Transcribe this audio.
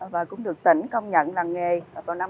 và cũng được tỉnh công nhận làng nghề vào năm hai nghìn một mươi một